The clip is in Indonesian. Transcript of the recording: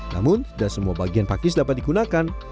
namun tidak semua bagian pakis dapat digunakan